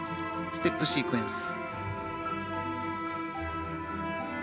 ステップシークエンス。